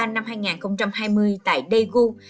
năm hai nghìn hai mươi tại daegu